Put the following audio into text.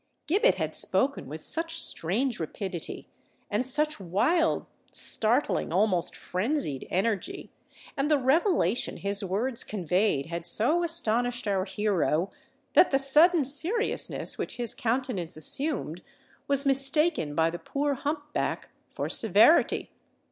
Gibbet had spoken with such strange rapidity and such wild—startling—almost frenzied energy,—and the revelation his words conveyed had so astonished our hero, that the sudden seriousness which his countenance assumed was mistaken by the poor hump back for severity.